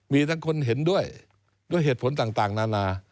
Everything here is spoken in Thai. มีทั้งคนเห็นด้วยด้วยเหตุผลต่างนานา